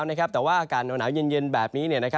แต่ว่าอากาศน้าวหนาวย่นแบบนี้